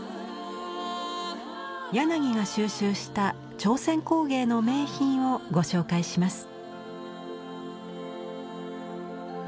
柳が収集した朝鮮工芸の名品をご紹介します。